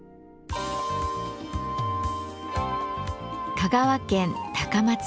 香川県高松市。